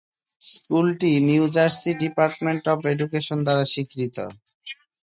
স্কুলটি New Jersey Department of Education দ্বারা স্বীকৃত।